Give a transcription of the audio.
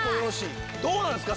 どうなんですか？